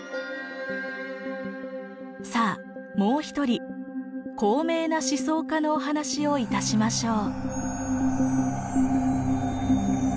さあもう一人高名な思想家のお話をいたしましょう。